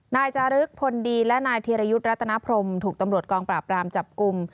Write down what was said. นายจารึกพลดีและนายธีรยุทธ์รัตนพรมถูกตำรวจกองปราบรามจับกลุ่ม